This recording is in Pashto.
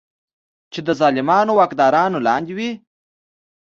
چې د ظالمو واکدارانو لاندې وي.